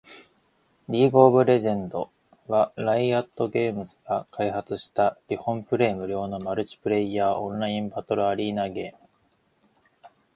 リーグ・オブ・レジェンド』（League of Legends、略称: LoL（ ロル））は、ライアットゲームズが開発した基本プレイ無料のマルチプレイヤーオンラインバトルアリーナゲーム